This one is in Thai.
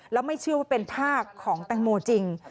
แล้วไม่เชื่อว่าเป็นภาพของแตงโมจริง